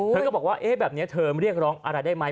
เธอก็บอกว่าเอ๊ะแบบนี้เธอเรียกร้องอะไรได้ไหม